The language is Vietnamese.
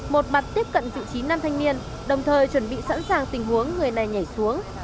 một mặt tiếp cận vị trí nam thanh niên đồng thời chuẩn bị sẵn sàng tình huống người này nhảy xuống